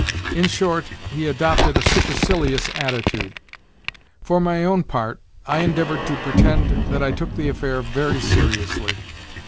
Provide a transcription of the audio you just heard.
In short, he adopted a supercilious attitude. For my own part, I endeavoured to pretend that I took the affair very seriously.